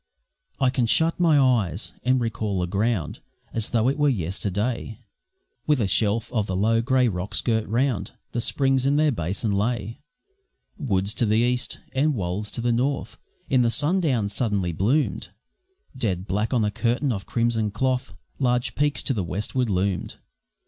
I can shut my eyes and recall the ground As though it were yesterday With a shelf of the low, grey rocks girt round, The springs in their basin lay; Woods to the east and wolds to the north In the sundown sullenly bloom'd; Dead black on a curtain of crimson cloth Large peaks to the westward loomed.